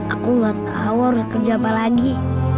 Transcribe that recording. aku nggak tahu harus kerja apa lagi